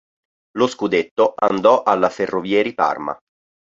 Lo scudetto andò alla Ferrovieri Parma.